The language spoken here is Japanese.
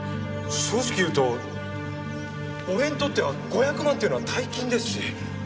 正直言うと俺にとっては５００万っていうのは大金ですし。